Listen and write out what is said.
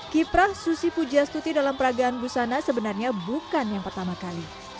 kiprah susi pugias tuti dalam peragaan gusana sebenarnya bukan yang pertama kali susi pugias